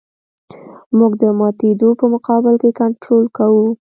موږ د ماتېدو په مقابل کې کنټرول کوو